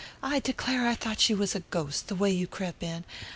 I declare I thought you was a ghost, the way you crep' in.